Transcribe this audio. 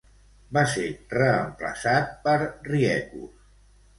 Va ser reemplaçat per Riekus.